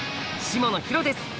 下野紘です！